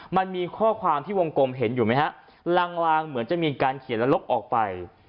มันมีข้อความที่วงกลมเห็นอยู่ไหมฮะลางเหมือนจะมีการเขียนแล้วลบออกไป